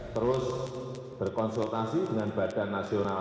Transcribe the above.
terus berkonsultasi dengan badan nasional